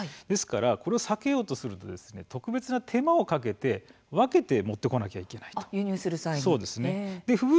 これを避けようとすると特別な手間をかけて分けて持ってこなければいけないんです。